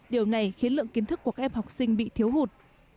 điều này khiến lượng kiến thức của các em học sinh bị thiếu hụt